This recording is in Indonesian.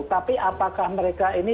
tapi apakah mereka ini